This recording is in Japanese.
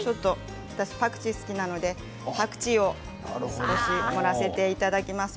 私、パクチー好きなのでパクチーを少し盛らせていただきます。